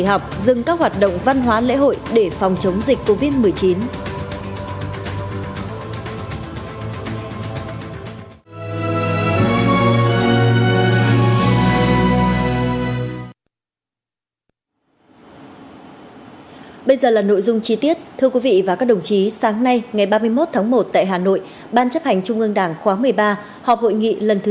hãy đăng ký kênh để ủng hộ kênh của chúng mình nhé